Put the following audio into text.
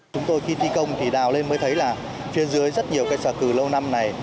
chúng tôi khi thi công thì đào lên mới thấy là phía dưới rất nhiều cây sở cử lâu năm này